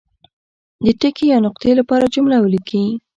د ټکي یا نقطې لپاره جمله ولیکي.